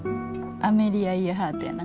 アメリア・イヤハートやな。